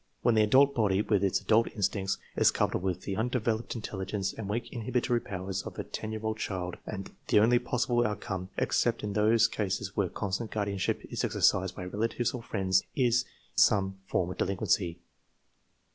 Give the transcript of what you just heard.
When the adult body, with its adult instincts, is coupled with the undeveloped intelligence and weak inhibitory powers of a 10 year old child, the only possible outcome, except in those cases where constant guardianship is exercised by relatives or friends, is some form of delinquency.